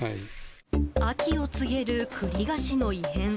秋を告げる栗菓子の異変。